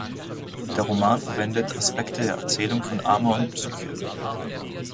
Der Roman verwendet Aspekte der Erzählung von Amor und Psyche.